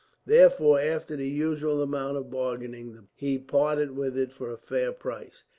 Therefore, after the usual amount of bargaining, he parted with it for a fair price.